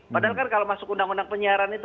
padahal kan kalau masuk undang undang penyiaran itu